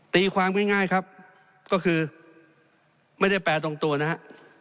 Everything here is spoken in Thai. ตีความง่ายครับก็คือไม่ได้แปลตรงตัวนะครับ